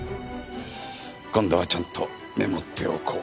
今度はちゃんとメモっておこう。